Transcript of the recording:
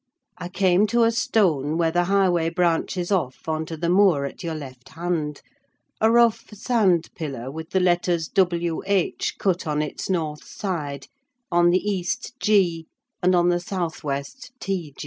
I came to a stone where the highway branches off on to the moor at your left hand; a rough sand pillar, with the letters W. H. cut on its north side, on the east, G., and on the south west, T.